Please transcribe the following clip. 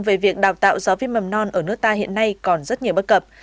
về việc đào tạo giáo viên mầm non ở nước ta hiện nay còn rất nhiều bất cập